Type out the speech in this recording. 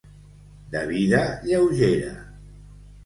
De vida lleugera.